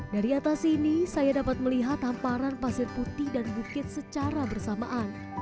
dari atas ini saya dapat melihat hamparan pasir putih dan bukit secara bersamaan